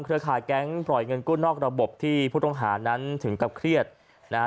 ขายแก๊งปล่อยเงินกู้นอกระบบที่ผู้ต้องหานั้นถึงกับเครียดนะฮะ